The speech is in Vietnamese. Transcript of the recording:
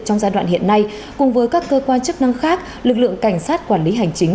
trong giai đoạn hiện nay cùng với các cơ quan chức năng khác lực lượng cảnh sát quản lý hành chính